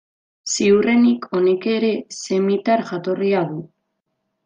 Ziurrenik honek ere semitar jatorria du.